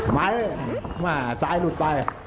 ไหมแม่ซ้ายหลุดไป